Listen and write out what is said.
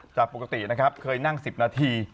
จากปกตินะครับเคยนั่ง๑๐นาที